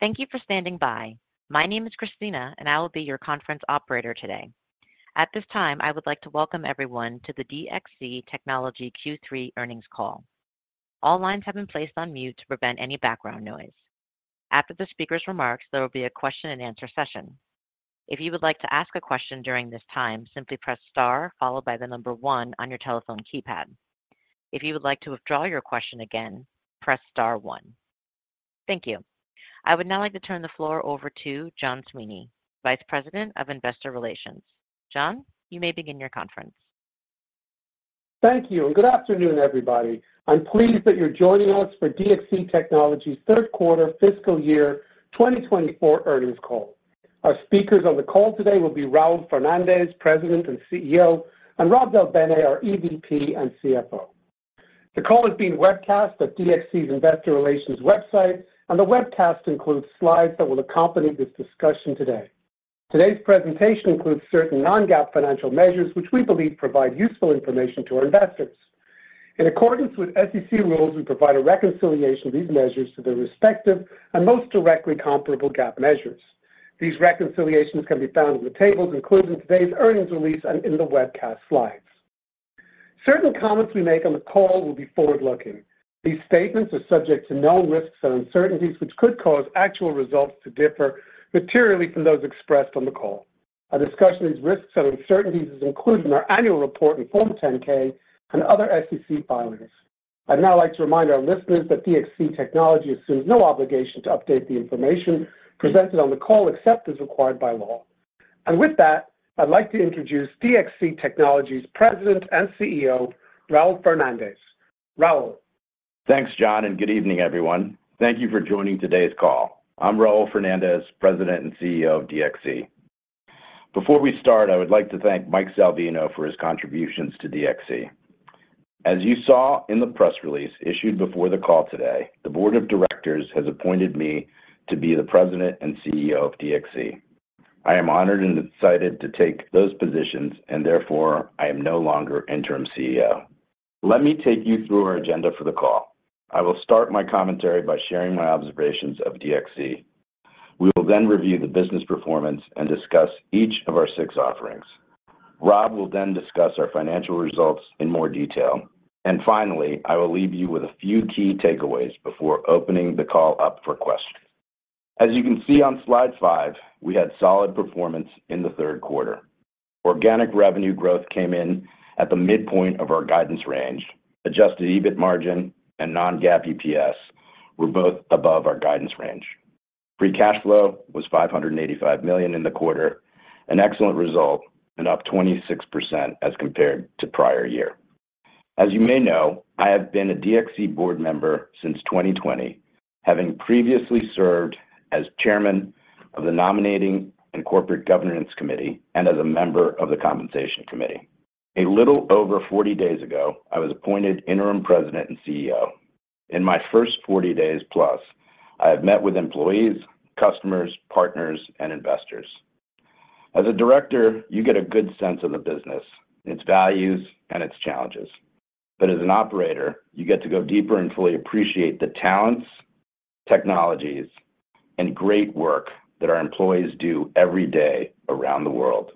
Thank you for standing by. My name is Christina, and I will be your conference operator today. At this time, I would like to welcome everyone to the DXC Technology Q3 earnings call. All lines have been placed on mute to prevent any background noise. After the speaker's remarks, there will be a question and answer session. If you would like to ask a question during this time, simply press star followed by the number one on your telephone keypad. If you would like to withdraw your question again, press star one. Thank you. I would now like to turn the floor over to John Sweeney, Vice President of Investor Relations. John, you may begin your conference. Thank you, and good afternoon, everybody. I'm pleased that you're joining us for DXC Technology's third quarter fiscal year 2024 earnings call. Our speakers on the call today will be Raul Fernandez, President and CEO, and Rob Del Bene, our EVP and CFO. The call is being webcast at DXC's Investor Relations website, and the webcast includes slides that will accompany this discussion today. Today's presentation includes certain non-GAAP financial measures, which we believe provide useful information to our investors. In accordance with SEC rules, we provide a reconciliation of these measures to their respective and most directly comparable GAAP measures. These reconciliations can be found in the tables included in today's earnings release and in the webcast slides. Certain comments we make on the call will be forward-looking. These statements are subject to known risks and uncertainties, which could cause actual results to differ materially from those expressed on the call. A discussion of these risks and uncertainties is included in our annual report in Form 10-K and other SEC filings. I'd now like to remind our listeners that DXC Technology assumes no obligation to update the information presented on the call, except as required by law. And with that, I'd like to introduce DXC Technology's President and CEO, Raul Fernandez. Raul? Thanks, John, and good evening, everyone. Thank you for joining today's call. I'm Raul Fernandez, President and CEO of DXC. Before we start, I would like to thank Mike Salvino for his contributions to DXC. As you saw in the press release issued before the call today, the board of directors has appointed me to be the President and CEO of DXC. I am honored and excited to take those positions, and therefore, I am no longer interim CEO. Let me take you through our agenda for the call. I will start my commentary by sharing my observations of DXC. We will then review the business performance and discuss each of our six offerings. Rob will then discuss our financial results in more detail, and finally, I will leave you with a few key takeaways before opening the call up for questions. As you can see on slide five, we had solid performance in the third quarter. Organic revenue growth came in at the midpoint of our guidance range. Adjusted EBIT margin and Non-GAAP EPS were both above our guidance range. Free cash flow was $585 million in the quarter, an excellent result and up 26% as compared to prior year. As you may know, I have been a DXC board member since 2020, having previously served as Chairman of the Nominating and Corporate Governance Committee and as a member of the Compensation Committee. A little over 40 days ago, I was appointed Interim President and CEO. In my first 40 days-plus, I have met with employees, customers, partners, and investors. As a director, you get a good sense of the business, its values, and its challenges. But as an operator, you get to go deeper and fully appreciate the talents, technologies, and great work that our employees do every day around the world.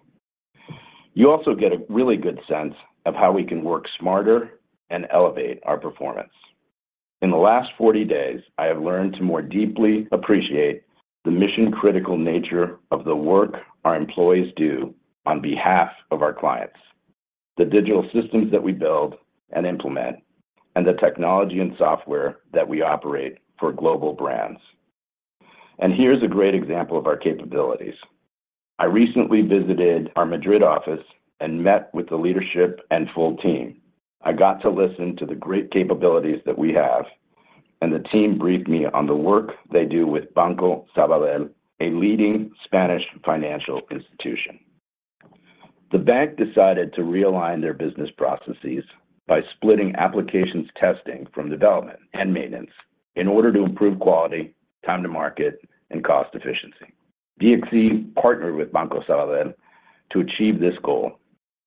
You also get a really good sense of how we can work smarter and elevate our performance. In the last 40 days, I have learned to more deeply appreciate the mission-critical nature of the work our employees do on behalf of our clients, the digital systems that we build and implement, and the technology and software that we operate for global brands. Here's a great example of our capabilities. I recently visited our Madrid office and met with the leadership and full team. I got to listen to the great capabilities that we have, and the team briefed me on the work they do with Banco Sabadell, a leading Spanish financial institution. The bank decided to realign their business processes by splitting applications testing from development and maintenance in order to improve quality, time to market, and cost efficiency. DXC partnered with Banco Sabadell to achieve this goal.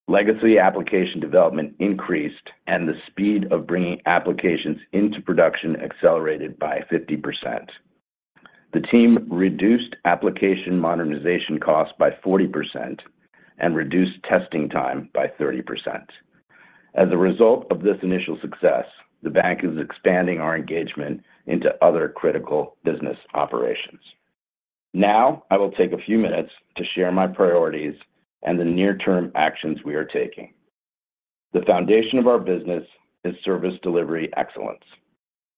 Legacy application development increased and the speed of bringing applications into production accelerated by 50%. The team reduced application modernization costs by 40% and reduced testing time by 30%. As a result of this initial success, the bank is expanding our engagement into other critical business operations. Now, I will take a few minutes to share my priorities and the near-term actions we are taking. The foundation of our business is service delivery excellence.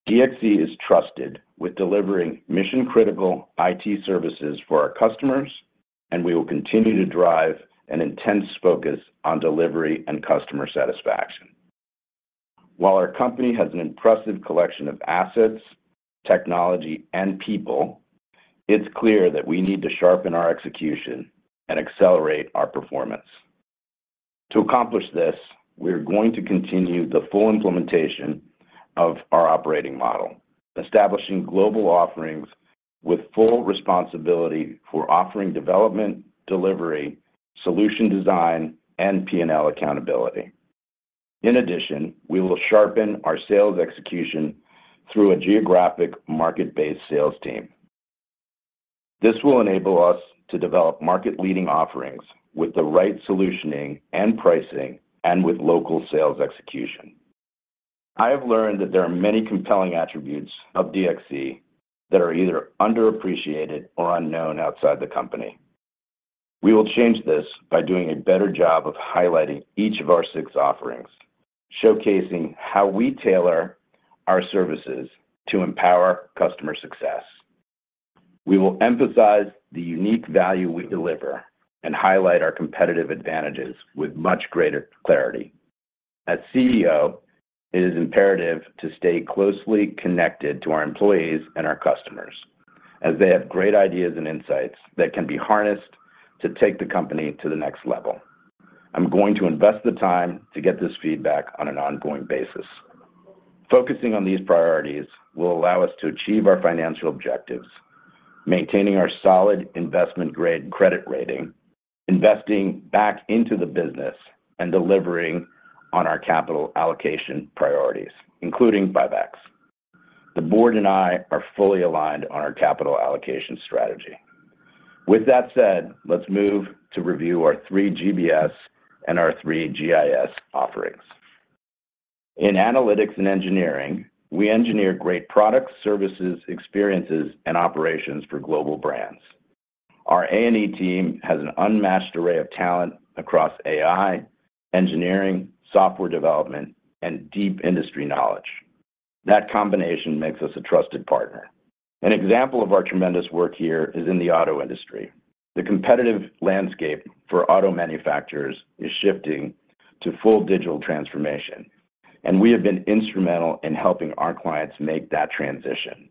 DXC is trusted with delivering mission-critical IT services for our customers, and we will continue to drive an intense focus on delivery and customer satisfaction. While our company has an impressive collection of assets, technology, and people, it's clear that we need to sharpen our execution and accelerate our performance. To accomplish this, we are going to continue the full implementation of our operating model, establishing global offerings with full responsibility for offering development, delivery, solution design, and P&L accountability. In addition, we will sharpen our sales execution through a geographic market-based sales team. This will enable us to develop market-leading offerings with the right solutioning and pricing, and with local sales execution. I have learned that there are many compelling attributes of DXC that are either underappreciated or unknown outside the company. We will change this by doing a better job of highlighting each of our six offerings, showcasing how we tailor our services to empower customer success. We will emphasize the unique value we deliver and highlight our competitive advantages with much greater clarity. As CEO, it is imperative to stay closely connected to our employees and our customers, as they have great ideas and insights that can be harnessed to take the company to the next level. I'm going to invest the time to get this feedback on an ongoing basis. Focusing on these priorities will allow us to achieve our financial objectives, maintaining our solid investment-grade credit rating, investing back into the business, and delivering on our capital allocation priorities, including buybacks. The board and I are fully aligned on our capital allocation strategy. With that said, let's move to review our three GBS and our three GIS offerings. In Analytics and Engineering, we engineer great products, services, experiences, and operations for global brands. Our A&E team has an unmatched array of talent across AI, engineering, software development, and deep industry knowledge. That combination makes us a trusted partner. An example of our tremendous work here is in the auto industry. The competitive landscape for auto manufacturers is shifting to full digital transformation, and we have been instrumental in helping our clients make that transition.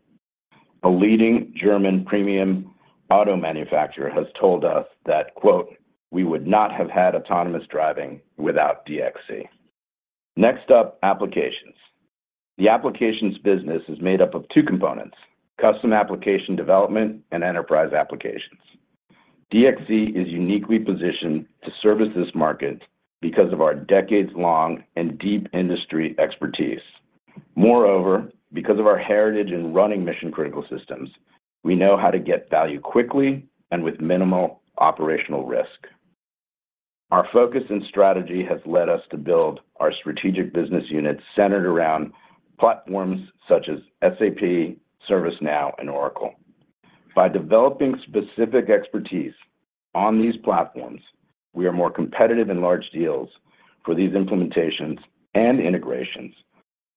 A leading German premium auto manufacturer has told us that, quote, "We would not have had autonomous driving without DXC." Next up, applications. The applications business is made up of two components: custom application development and enterprise applications. DXC is uniquely positioned to service this market because of our decades-long and deep industry expertise. Moreover, because of our heritage in running mission-critical systems, we know how to get value quickly and with minimal operational risk. Our focus and strategy has led us to build our strategic business units centered around platforms such as SAP, ServiceNow, and Oracle. By developing specific expertise on these platforms, we are more competitive in large deals for these implementations and integrations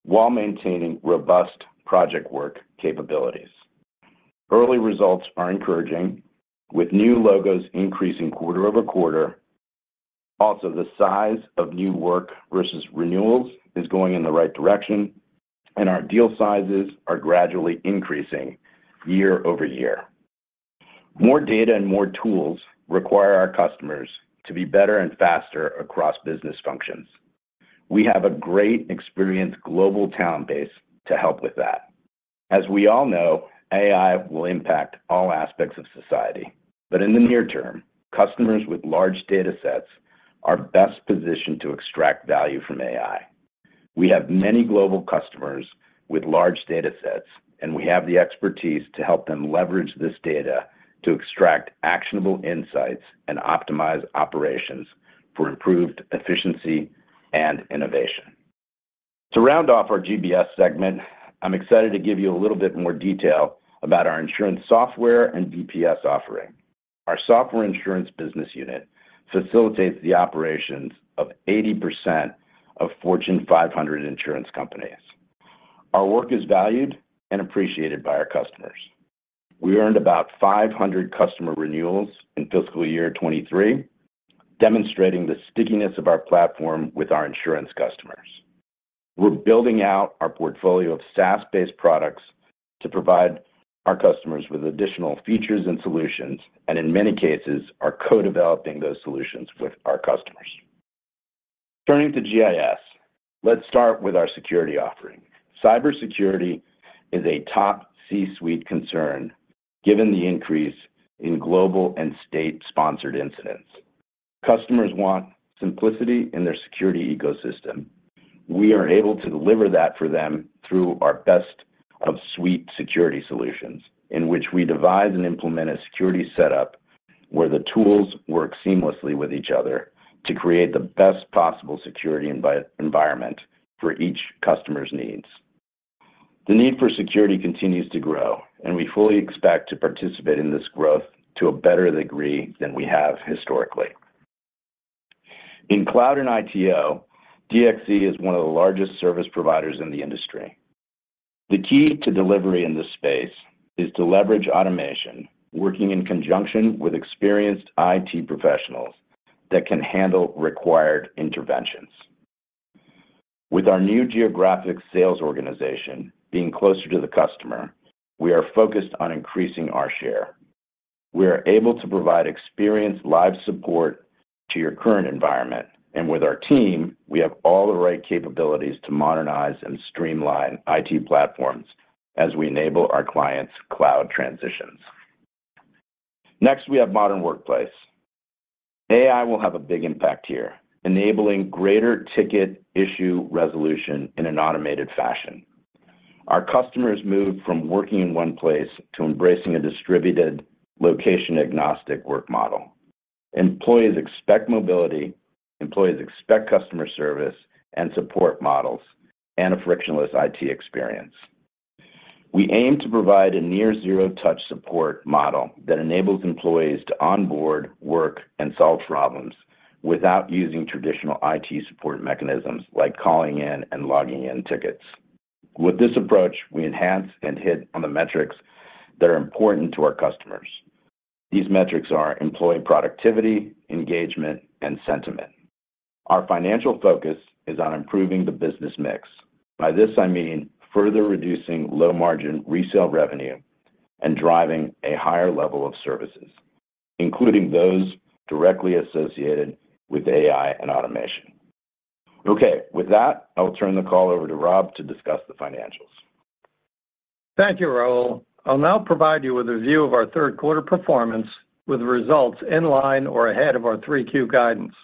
while maintaining robust project work capabilities. Early results are encouraging, with new logos increasing quarter over quarter. Also, the size of new work versus renewals is going in the right direction, and our deal sizes are gradually increasing year over year. More data and more tools require our customers to be better and faster across business functions. We have a great, experienced global talent base to help with that. As we all know, AI will impact all aspects of society, but in the near term, customers with large datasets are best positioned to extract value from AI. We have many global customers with large datasets, and we have the expertise to help them leverage this data to extract actionable insights and optimize operations for improved efficiency and innovation. To round off our GBS segment, I'm excited to give you a little bit more detail about our insurance software and BPS offering. Our insurance software business unit facilitates the operations of 80% of Fortune 500 insurance companies. Our work is valued and appreciated by our customers. We earned about 500 customer renewals in fiscal year 2023, demonstrating the stickiness of our platform with our insurance customers. We're building out our portfolio of SaaS-based products to provide our customers with additional features and solutions, and in many cases, are co-developing those solutions with our customers. Turning to GIS, let's start with our security offering. Cybersecurity is a top C-suite concern, given the increase in global and state-sponsored incidents. Customers want simplicity in their security ecosystem. We are able to deliver that for them through our best-of-suite security solutions, in which we devise and implement a security setup where the tools work seamlessly with each other to create the best possible security environment for each customer's needs. The need for security continues to grow, and we fully expect to participate in this growth to a better degree than we have historically. In cloud and ITO, DXC is one of the largest service providers in the industry. The key to delivery in this space is to leverage automation, working in conjunction with experienced IT professionals that can handle required interventions. With our new geographic sales organization being closer to the customer, we are focused on increasing our share. We are able to provide experienced live support to your current environment, and with our team, we have all the right capabilities to modernize and streamline IT platforms as we enable our clients' cloud transitions. Next, we have Modern Workplace. AI will have a big impact here, enabling greater ticket issue resolution in an automated fashion. Our customers moved from working in one place to embracing a distributed location-agnostic work model. Employees expect mobility, employees expect customer service and support models, and a frictionless IT experience. We aim to provide a near zero-touch support model that enables employees to onboard, work, and solve problems without using traditional IT support mechanisms, like calling in and logging in tickets. With this approach, we enhance and hit on the metrics that are important to our customers. These metrics are employee productivity, engagement, and sentiment. Our financial focus is on improving the business mix. By this I mean, further reducing low-margin resale revenue and driving a higher level of services, including those directly associated with AI and automation. Okay, with that, I'll turn the call over to Rob to discuss the financials. Thank you, Raul. I'll now provide you with a view of our third quarter performance, with results in line or ahead of our 3Q guidance.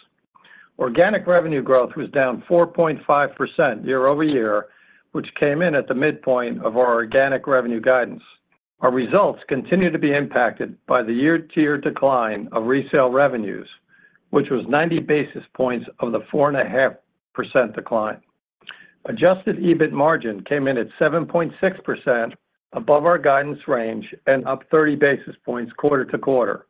Organic revenue growth was down 4.5% year-over-year, which came in at the midpoint of our organic revenue guidance. Our results continue to be impacted by the year-to-year decline of resale revenues, which was 90 basis points of the 4.5% decline. Adjusted EBIT margin came in at 7.6% above our guidance range and up 30 basis points quarter-to-quarter.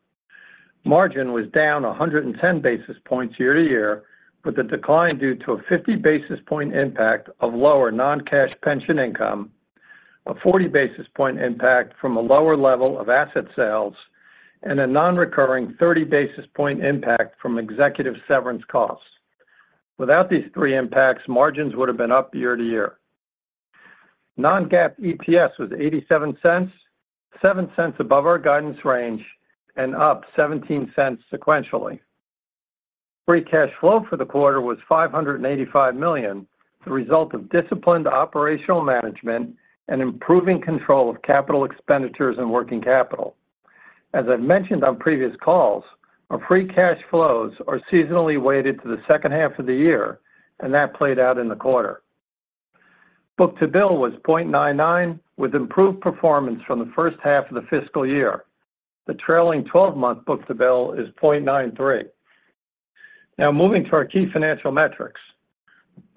Margin was down 110 basis points year-to-year, with the decline due to a 50 basis point impact of lower non-cash pension income, a 40 basis point impact from a lower level of asset sales, and a non-recurring 30 basis point impact from executive severance costs. Without these three impacts, margins would have been up year-over-year. Non-GAAP EPS was $0.87, $0.07 above our guidance range, and up $0.17 sequentially. Free cash flow for the quarter was $585 million, the result of disciplined operational management and improving control of capital expenditures and working capital. As I've mentioned on previous calls, our free cash flows are seasonally weighted to the second half of the year, and that played out in the quarter. Book-to-bill was 0.99, with improved performance from the first half of the fiscal year. The trailing twelve-month book-to-bill is 0.93. Now, moving to our key financial metrics.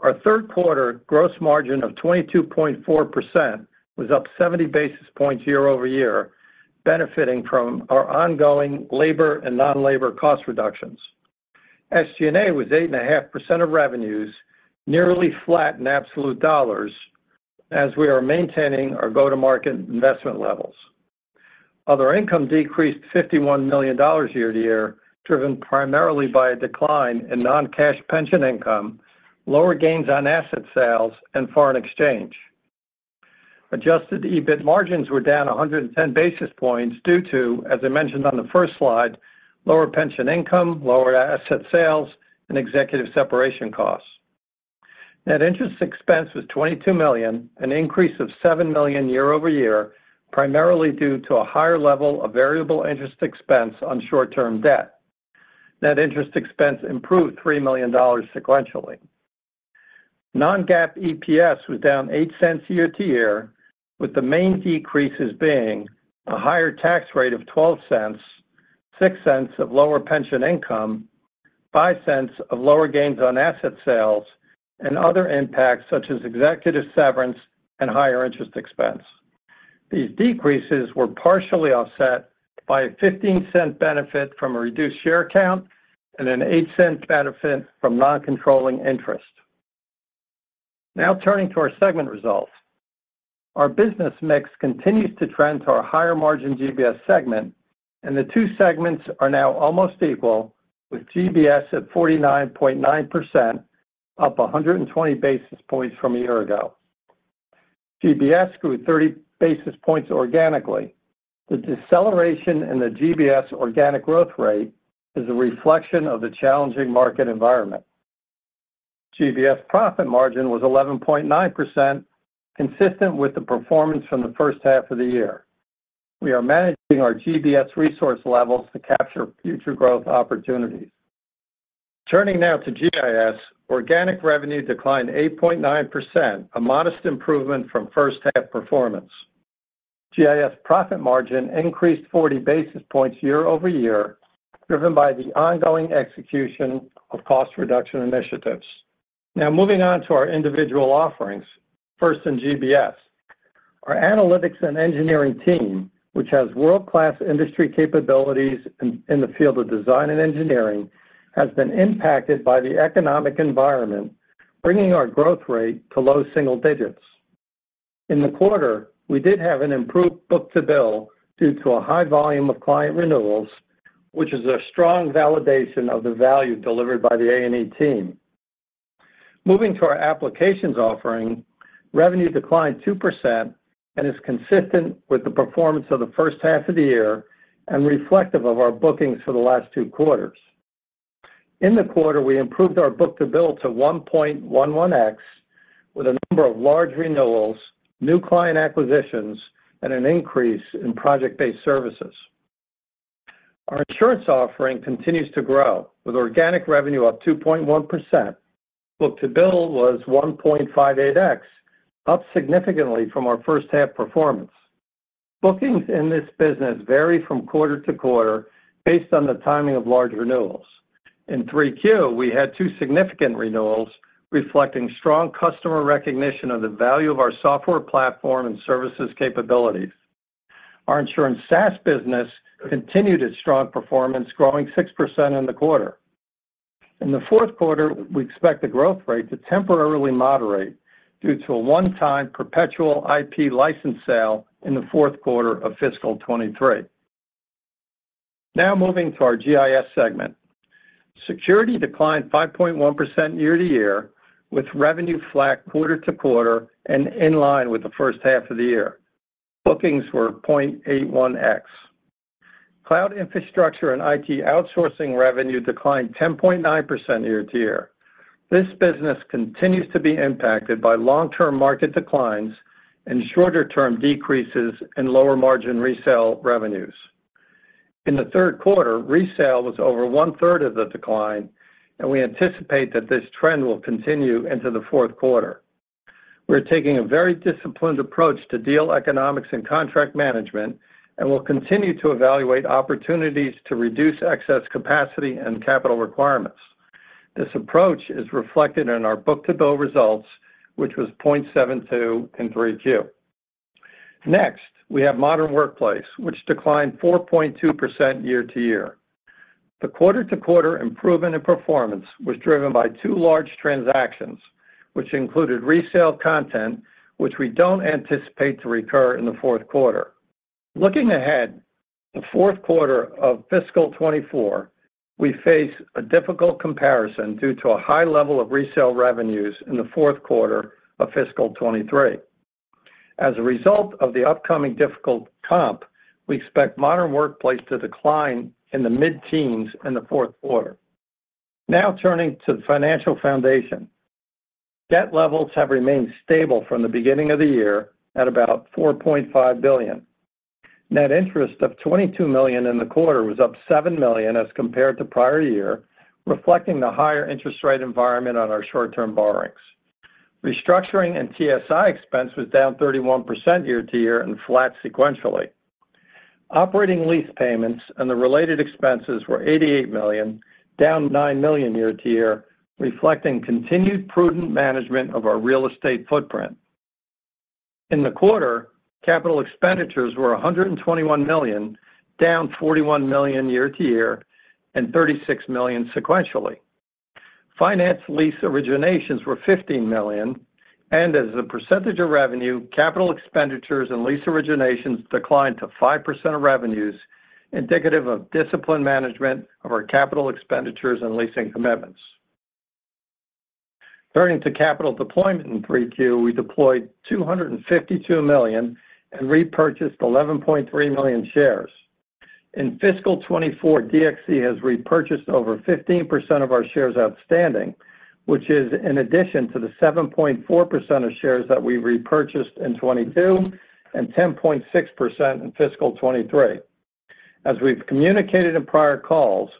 Our third quarter gross margin of 22.4% was up 70 basis points year-over-year, benefiting from our ongoing labor and non-labor cost reductions. SG&A was 8.5% of revenues, nearly flat in absolute dollars, as we are maintaining our go-to-market investment levels. Other income decreased $51 million year-over-year, driven primarily by a decline in non-cash pension income, lower gains on asset sales, and foreign exchange. Adjusted EBIT margins were down 110 basis points due to, as I mentioned on the first slide, lower pension income, lower asset sales, and executive separation costs. Net interest expense was $22 million, an increase of $7 million year-over-year, primarily due to a higher level of variable interest expense on short-term debt. Net interest expense improved $3 million sequentially. Non-GAAP EPS was down $0.08 year-over-year, with the main decreases being a higher tax rate of $0.12, $0.06 of lower pension income, $0.05 of lower gains on asset sales, and other impacts such as executive severance and higher interest expense. These decreases were partially offset by a $0.15 benefit from a reduced share count and a $0.08 benefit from non-controlling interest. Now, turning to our segment results. Our business mix continues to trend to our higher margin GBS segment, and the two segments are now almost equal, with GBS at 49.9%, up 120 basis points from a year ago. GBS grew 30 basis points organically. The deceleration in the GBS organic growth rate is a reflection of the challenging market environment. GBS profit margin was 11.9%, consistent with the performance from the first half of the year. We are managing our GBS resource levels to capture future growth opportunities. Turning now to GIS. Organic revenue declined 8.9%, a modest improvement from first half performance. GIS profit margin increased 40 basis points year-over-year, driven by the ongoing execution of cost reduction initiatives. Now, moving on to our individual offerings, first in GBS. Our Analytics and Engineering team, which has world-class industry capabilities in the field of design and engineering, has been impacted by the economic environment, bringing our growth rate to low single digits. In the quarter, we did have an improved book-to-bill due to a high volume of client renewals, which is a strong validation of the value delivered by the A&E team. Moving to our applications offering, revenue declined 2% and is consistent with the performance of the first half of the year and reflective of our bookings for the last two quarters. In the quarter, we improved our book-to-bill to 1.11x, with a number of large renewals, new client acquisitions, and an increase in project-based services. Our insurance offering continues to grow, with organic revenue up 2.1%. Book-to-bill was 1.58x, up significantly from our first half performance. Bookings in this business vary from quarter to quarter based on the timing of large renewals. In 3Q, we had two significant renewals, reflecting strong customer recognition of the value of our software platform and services capabilities. Our insurance SaaS business continued its strong performance, growing 6% in the quarter. In the fourth quarter, we expect the growth rate to temporarily moderate due to a one-time perpetual IP license sale in the fourth quarter of fiscal year 2023. Now, moving to our GIS segment. Security declined 5.1% year-over-year, with revenue flat quarter-over-quarter and in line with the first half of the year. Bookings were 0.81x. Cloud infrastructure and IT outsourcing revenue declined 10.9% year-over-year. This business continues to be impacted by long-term market declines and shorter-term decreases in lower-margin resale revenues. In the third quarter, resale was over one-third of the decline, and we anticipate that this trend will continue into the fourth quarter. We're taking a very disciplined approach to deal economics and contract management, and we'll continue to evaluate opportunities to reduce excess capacity and capital requirements. This approach is reflected in our book-to-bill results, which was 0.72 in Q3. Next, we have Modern Workplace, which declined 4.2% year-to-year. The quarter-to-quarter improvement in performance was driven by two large transactions, which included resale content, which we don't anticipate to recur in the fourth quarter. Looking ahead, the fourth quarter of fiscal year 2024, we face a difficult comparison due to a high level of resale revenues in the fourth quarter of fiscal year 2023. As a result of the upcoming difficult comp, we expect Modern Workplace to decline in the mid-teens in the fourth quarter. Now, turning to the financial foundation. Debt levels have remained stable from the beginning of the year at about $4.5 billion. Net interest of $22 million in the quarter was up $7 million as compared to prior year, reflecting the higher interest rate environment on our short-term borrowings. Restructuring and TSI expense was down 31% year-over-year and flat sequentially. Operating lease payments and the related expenses were $88 million, down $9 million year-over-year, reflecting continued prudent management of our real estate footprint. In the quarter, capital expenditures were $121 million, down $41 million year-over-year, and $36 million sequentially. Finance lease originations were $15 million, and as a percentage of revenue, capital expenditures and lease originations declined to 5% of revenues, indicative of disciplined management of our capital expenditures and leasing commitments. Turning to capital deployment in 3Q, we deployed $252 million and repurchased 11.3 million shares. In fiscal year 2024, DXC has repurchased over 15% of our shares outstanding, which is in addition to the 7.4% of shares that we repurchased in 2022 and 10.6% in fiscal year 2023. As we've communicated in prior calls,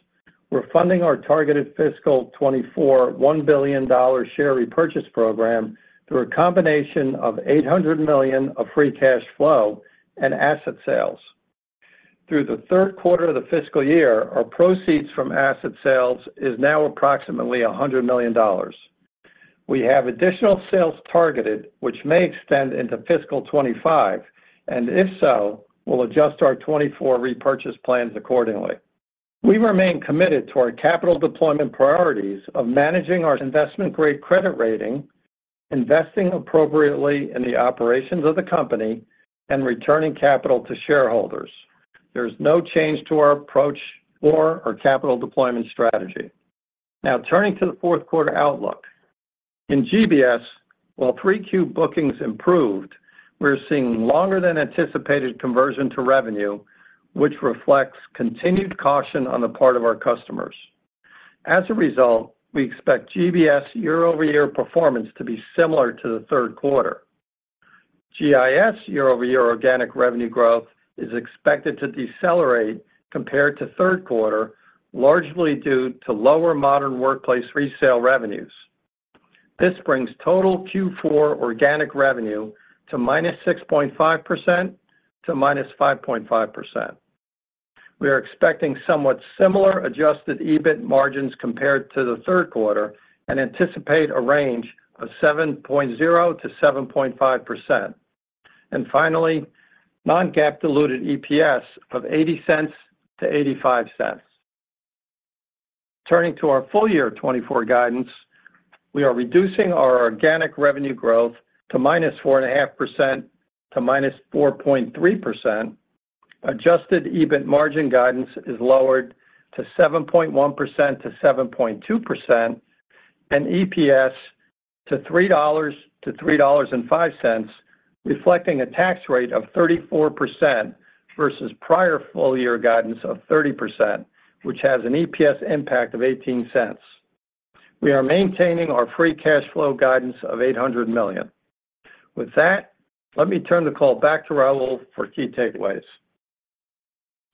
we're funding our targeted fiscal year 2024 $1 billion share repurchase program through a combination of $800 million of free cash flow and asset sales. Through the third quarter of the fiscal year, our proceeds from asset sales is now approximately $100 million. We have additional sales targeted, which may extend into fiscal year 2025, and if so, we'll adjust our 2024 repurchase plans accordingly. We remain committed to our capital deployment priorities of managing our investment-grade credit rating, investing appropriately in the operations of the company, and returning capital to shareholders. There's no change to our approach or our capital deployment strategy. Now, turning to the fourth quarter outlook. In GBS, while 3Q bookings improved, we're seeing longer than anticipated conversion to revenue, which reflects continued caution on the part of our customers. As a result, we expect GBS year-over-year performance to be similar to the third quarter. GIS year-over-year organic revenue growth is expected to decelerate compared to third quarter, largely due to lower Modern Workplace resale revenues. This brings total Q4 organic revenue to -6.5% to -5.5%. We are expecting somewhat similar adjusted EBIT margins compared to the third quarter and anticipate a range of 7.0%-7.5%. And finally, non-GAAP diluted EPS of $0.80-$0.85. Turning to our full-year 2024 guidance, we are reducing our organic revenue growth to -4.5% to -4.3%. Adjusted EBIT margin guidance is lowered to 7.1%-7.2% and EPS to $3.00-$3.05, reflecting a tax rate of 34% versus prior full-year guidance of 30%, which has an EPS impact of $0.18. We are maintaining our free cash flow guidance of $800 million. With that, let me turn the call back to Raul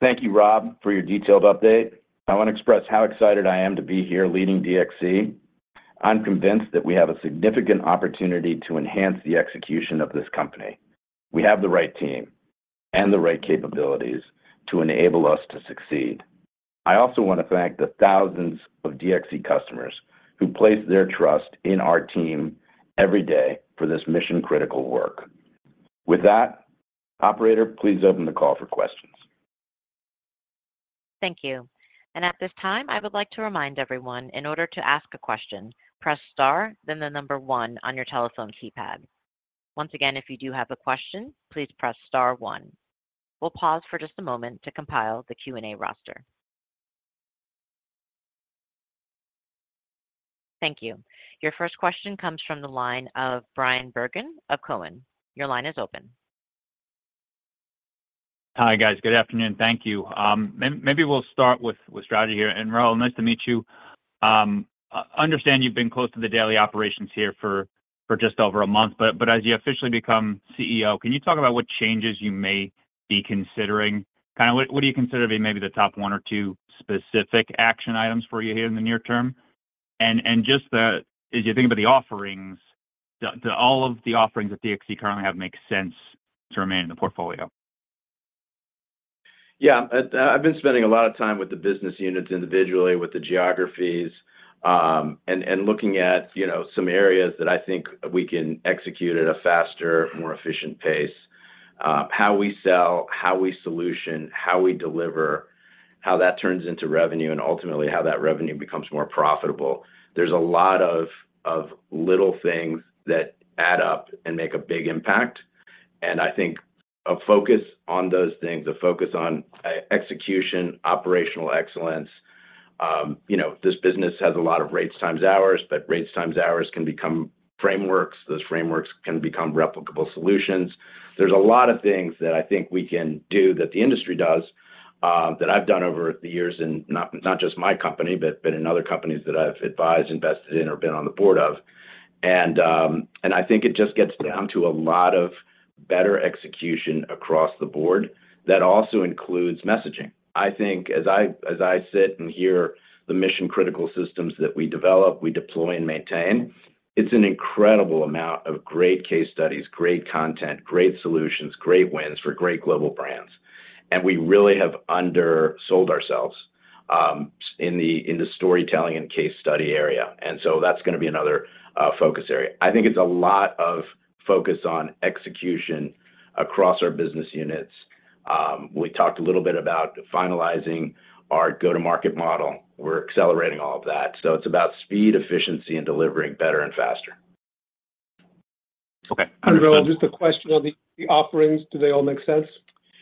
for key takeaways. Thank you, Rob, for your detailed update. I want to express how excited I am to be here leading DXC. I'm convinced that we have a significant opportunity to enhance the execution of this company. We have the right team and the right capabilities to enable us to succeed. I also want to thank the thousands of DXC customers who place their trust in our team every day for this mission-critical work. With that, operator, please open the call for questions. Thank you. And at this time, I would like to remind everyone, in order to ask a question, press star, then the number one on your telephone keypad. Once again, if you do have a question, please press star one. We'll pause for just a moment to compile the Q&A roster. Thank you. Your first question comes from the line of Bryan Bergin of Cowen. Your line is open. Hi, guys. Good afternoon. Thank you. Maybe we'll start with strategy here. And Raul, nice to meet you. I understand you've been close to the daily operations here for just over a month, but as you officially become CEO, can you talk about what changes you may be considering? Kinda what do you consider to be maybe the top one or two specific action items for you here in the near term? And just as you think about the offerings, do all of the offerings that DXC currently have make sense to remain in the portfolio? Yeah, I've been spending a lot of time with the business units, individually, with the geographies, and looking at, you know, some areas that I think we can execute at a faster, more efficient pace. How we sell, how we solution, how we deliver, how that turns into revenue, and ultimately, how that revenue becomes more profitable. There's a lot of little things that add up and make a big impact, and I think a focus on those things, a focus on execution, operational excellence. You know, this business has a lot of rates times hours, but rates times hours can become frameworks. Those frameworks can become replicable solutions. There's a lot of things that I think we can do that the industry does, that I've done over the years, and not just my company, but in other companies that I've advised, invested in, or been on the board of. And I think it just gets down to a lot of better execution across the board. That also includes messaging. I think as I sit and hear the mission-critical systems that we develop, we deploy, and maintain, it's an incredible amount of great case studies, great content, great solutions, great wins for great global brands. And we really have undersold ourselves, in the storytelling and case study area, and so that's gonna be another focus area. I think it's a lot of focus on execution across our business units. We talked a little bit about finalizing our go-to-market model. We're accelerating all of that. So it's about speed, efficiency, and delivering better and faster. Okay. Raul, just a question on the offerings. Do they all make sense?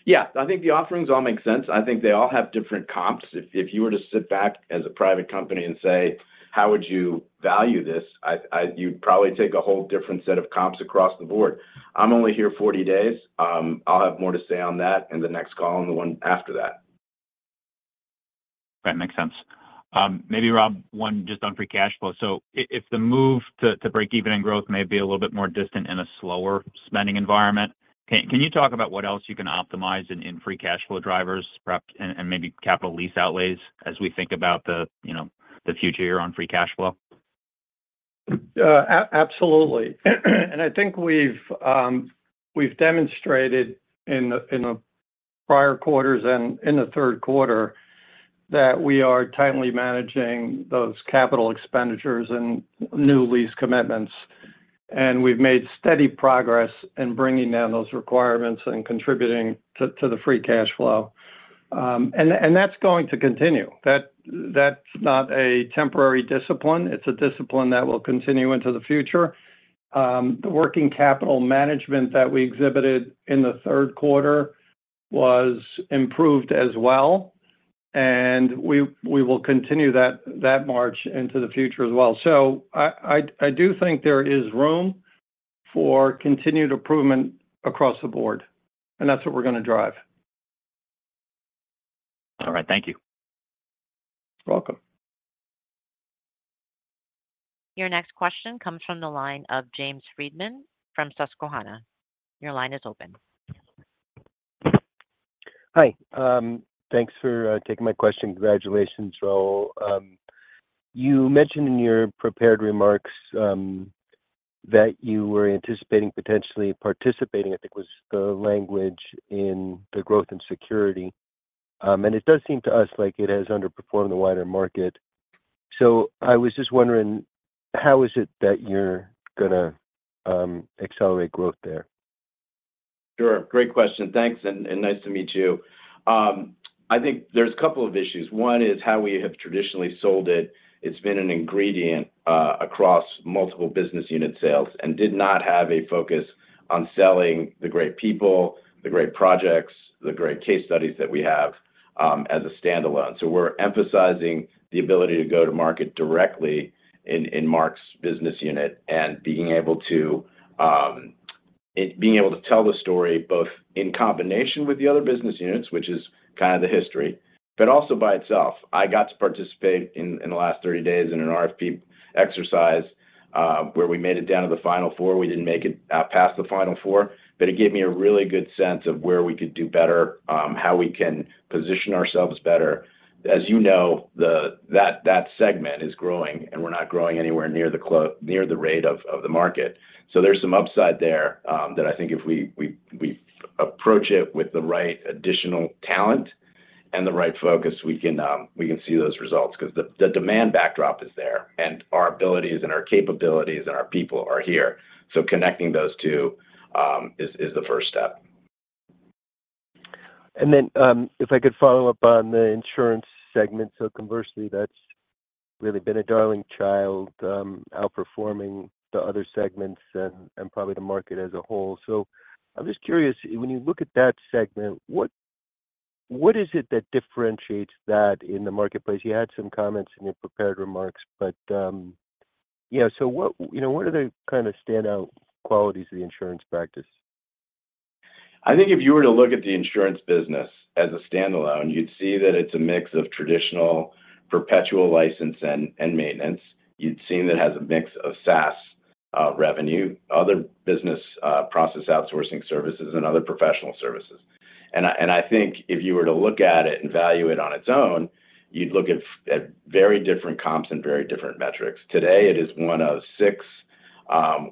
Yeah. I think the offerings all make sense. I think they all have different comps. If you were to sit back as a private company and say: How would you value this? You'd probably take a whole different set of comps across the board. I'm only here 40 days. I'll have more to say on that in the next call and the one after that. That makes sense. Maybe, Rob, one just on free cash flow. So if the move to break even in growth may be a little bit more distant in a slower spending environment, can you talk about what else you can optimize in free cash flow drivers, perhaps, and maybe capital lease outlays as we think about the, you know, the future here on free cash flow? Absolutely. And I think we've, we've demonstrated in the, in the prior quarters and in the third quarter, that we are tightly managing those capital expenditures and new lease commitments, and we've made steady progress in bringing down those requirements and contributing to, to the free cash flow. And, and that's going to continue. That, that's not a temporary discipline, it's a discipline that will continue into the future. The working capital management that we exhibited in the third quarter was improved as well, and we, we will continue that, that march into the future as well. So I, I, I do think there is room for continued improvement across the board, and that's what we're gonna drive. All right. Thank you. You're welcome. Your next question comes from the line of James Friedman from Susquehanna. Your line is open. Hi. Thanks for taking my question. Congratulations, Raul. You mentioned in your prepared remarks that you were anticipating, potentially participating, I think, was the language in the growth and security. It does seem to us like it has underperformed the wider market. So I was just wondering, how is it that you're gonna accelerate growth there? Sure. Great question. Thanks, and, and nice to meet you. I think there's a couple of issues. One is how we have traditionally sold it. It's been an ingredient, across multiple business unit sales and did not have a focus on selling the great people, the great projects, the great case studies that we have... as a standalone. So we're emphasizing the ability to go to market directly in, in Mark's business unit, and being able to, being able to tell the story, both in combination with the other business units, which is kind of the history, but also by itself. I got to participate in, in the last 30 days in an RFP exercise, where we made it down to the Final Four. We didn't make it past the Final Four, but it gave me a really good sense of where we could do better, how we can position ourselves better. As you know, that segment is growing, and we're not growing anywhere near the rate of the market. So there's some upside there that I think if we approach it with the right additional talent and the right focus, we can see those results because the demand backdrop is there, and our abilities and our capabilities and our people are here. So connecting those two is the first step. And then, if I could follow up on the insurance segment. So conversely, that's really been a darling child, outperforming the other segments and probably the market as a whole. So I'm just curious, when you look at that segment, what is it that differentiates that in the marketplace? You had some comments in your prepared remarks, but yeah, so you know, what are the kind of standout qualities of the insurance practice? I think if you were to look at the insurance business as a standalone, you'd see that it's a mix of traditional perpetual license and maintenance. You'd see that it has a mix of SaaS revenue, other business process outsourcing services, and other professional services. And I think if you were to look at it and value it on its own, you'd look at very different comps and very different metrics. Today, it is one of six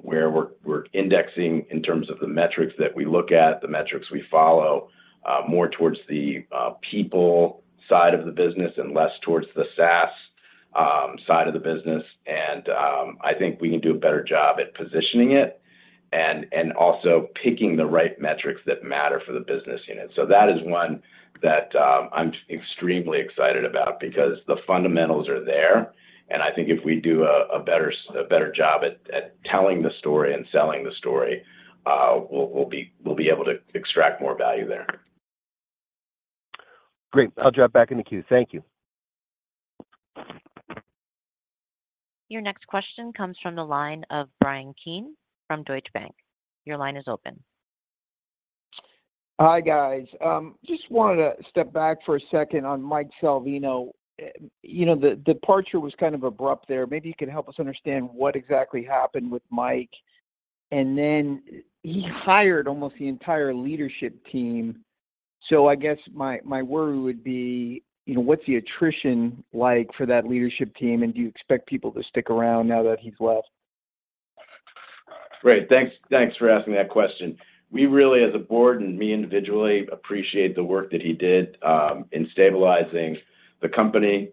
where we're indexing in terms of the metrics that we look at, the metrics we follow more towards the people side of the business and less towards the SaaS side of the business, and I think we can do a better job at positioning it and also picking the right metrics that matter for the business unit. That is one that I'm extremely excited about because the fundamentals are there, and I think if we do a better job at telling the story and selling the story, we'll be able to extract more value there. Great. I'll drop back in the queue. Thank you. Your next question comes from the line of Bryan Keane from Deutsche Bank. Your line is open. Hi, guys. Just wanted to step back for a second on Mike Salvino. You know, the departure was kind of abrupt there. Maybe you could help us understand what exactly happened with Mike. And then he hired almost the entire leadership team, so I guess my, my worry would be, you know, what's the attrition like for that leadership team, and do you expect people to stick around now that he's left? Great. Thanks, thanks for asking that question. We really, as a board, and me individually, appreciate the work that he did in stabilizing the company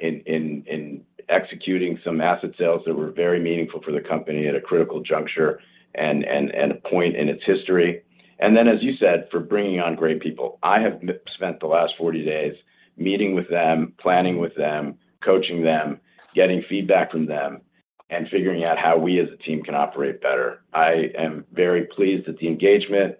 in executing some asset sales that were very meaningful for the company at a critical juncture and a point in its history. And then, as you said, for bringing on great people. I have spent the last 40 days meeting with them, planning with them, coaching them, getting feedback from them, and figuring out how we as a team can operate better. I am very pleased with the engagement.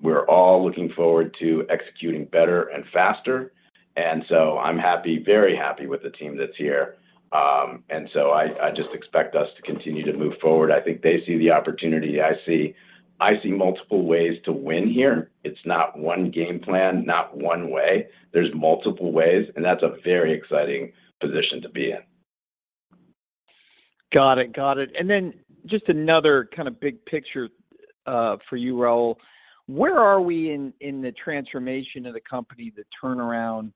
We're all looking forward to executing better and faster, and so I'm happy, very happy with the team that's here. And so I just expect us to continue to move forward. I think they see the opportunity. I see multiple ways to win here. It's not one game plan, not one way. There's multiple ways, and that's a very exciting position to be in. Got it. Got it. And then just another kind of big picture for you, Raul: where are we in the transformation of the company, the turnaround? You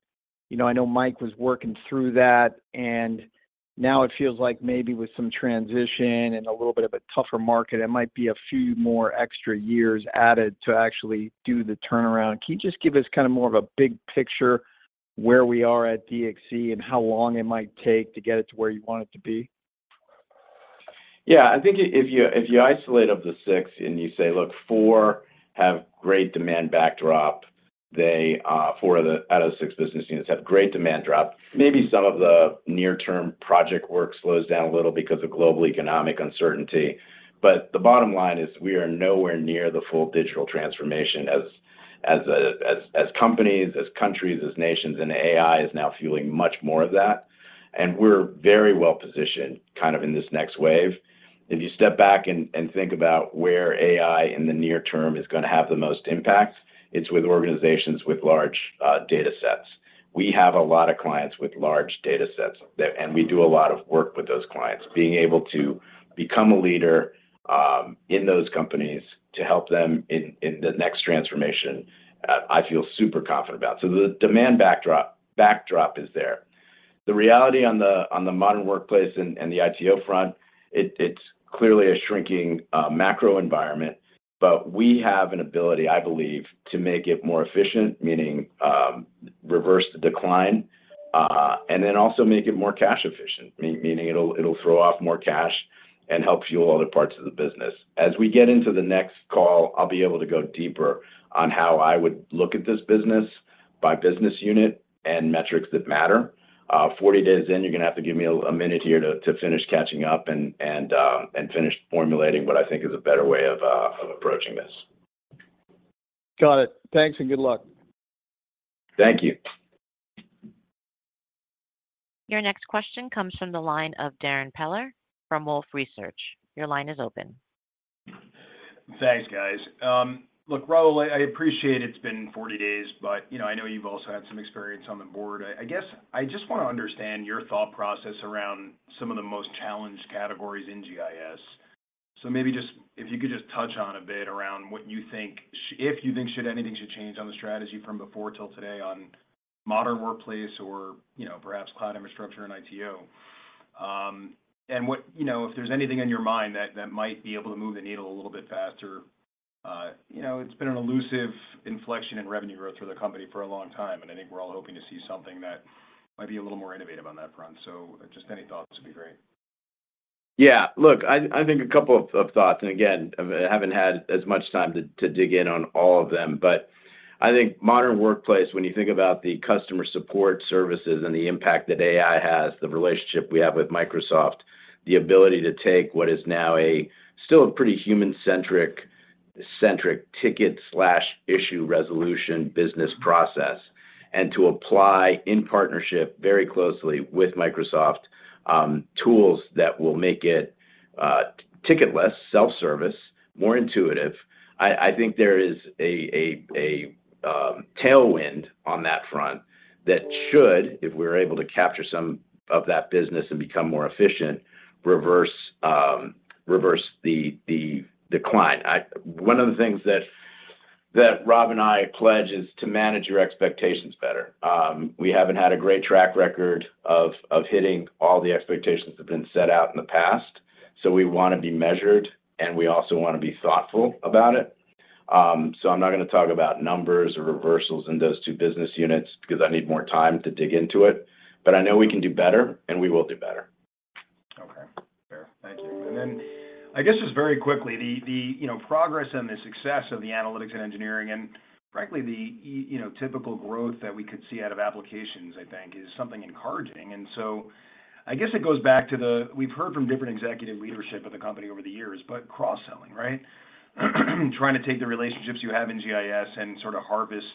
know, I know Mike was working through that, and now it feels like maybe with some transition and a little bit of a tougher market, it might be a few more extra years added to actually do the turnaround. Can you just give us kind of more of a big picture where we are at DXC and how long it might take to get it to where you want it to be? Yeah. I think if you, if you isolate of the six and you say, look, four have great demand backdrop, they, four out of the six business units have great demand backdrop. Maybe some of the near-term project work slows down a little because of global economic uncertainty. But the bottom line is we are nowhere near the full digital transformation as, as, as companies, as countries, as nations, and AI is now fueling much more of that, and we're very well-positioned kind of in this next wave. If you step back and, and think about where AI in the near term is gonna have the most impact, it's with organizations with large, data sets. We have a lot of clients with large data sets, that... And we do a lot of work with those clients. Being able to become a leader in those companies to help them in the next transformation, I feel super confident about. So the demand backdrop is there. The reality on the Modern Workplace and the ITO front, it's clearly a shrinking macro environment. But we have an ability, I believe, to make it more efficient, meaning reverse the decline and then also make it more cash efficient, meaning it'll throw off more cash and help fuel other parts of the business. As we get into the next call, I'll be able to go deeper on how I would look at this business by business unit and metrics that matter. 40 days in, you're gonna have to give me a minute here to finish catching up and finish formulating what I think is a better way of approaching this. Got it. Thanks and good luck. Thank you. Your next question comes from the line of Darrin Peller from Wolfe Research. Your line is open. Thanks, guys. Look, Raul, I appreciate it's been 40 days, but, you know, I know you've also had some experience on the board. I guess I just wanna understand your thought process around some of the most challenged categories in GIS. So maybe just, if you could just touch on a bit around what you think if you think anything should change on the strategy from before till today on Modern Workplace or, you know, perhaps cloud infrastructure and ITO. And, you know, if there's anything on your mind that might be able to move the needle a little bit faster. You know, it's been an elusive inflection in revenue growth for the company for a long time, and I think we're all hoping to see something that might be a little more innovative on that front. So just any thoughts would be great. Yeah. Look, I think a couple of thoughts, and again, I haven't had as much time to dig in on all of them. But I think Modern Workplace, when you think about the customer support services and the impact that AI has, the relationship we have with Microsoft, the ability to take what is now still a pretty human-centric ticket/issue resolution business process, and to apply in partnership very closely with Microsoft, tools that will make it ticketless, self-service, more intuitive. I think there is a tailwind on that front that should, if we're able to capture some of that business and become more efficient, reverse the decline. I— One of the things that Rob and I pledge is to manage your expectations better. We haven't had a great track record of hitting all the expectations that have been set out in the past, so we wanna be measured, and we also wanna be thoughtful about it. So I'm not gonna talk about numbers or reversals in those two business units because I need more time to dig into it, but I know we can do better, and we will do better. Okay. Sure. Thank you. And then, I guess, just very quickly, the you know, progress and the success of the Analytics and Engineering, and frankly, the you know, typical growth that we could see out of applications, I think, is something encouraging. And so I guess it goes back to the... We've heard from different executive leadership of the company over the years, but cross-selling, right? Trying to take the relationships you have in GIS and sort of harvest